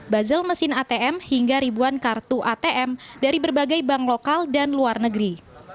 buzzle mesin atm hingga ribuan kartu atm dari berbagai bank lokal dan luar negeri